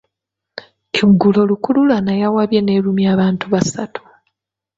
Eggulo lukululana yawabye n'erumya abantu basatu.